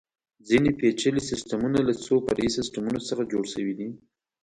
ځینې پېچلي سیسټمونه له څو فرعي سیسټمونو څخه جوړ شوي دي.